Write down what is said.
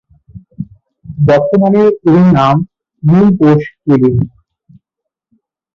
বর্তমানে এর নাম ‘নিউ বোস কেবিন’।